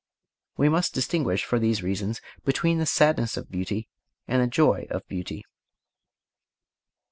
We must distinguish, for these reasons, between the sadness of beauty and the joy of beauty.